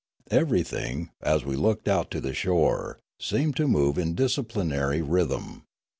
Everything, as we looked out to the shore, seemed to move to disciplinary rhythm.